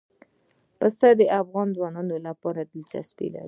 پسه د افغان ځوانانو لپاره دلچسپي لري.